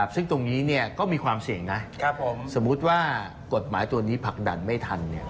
ซึ่งตรงนี้ก็มีความเสี่ยงนะสมมุติว่ากฎหมายตัวนี้ผลักดันไม่ทัน